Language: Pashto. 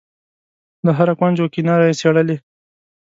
له هره کونج و کناره یې څېړلې.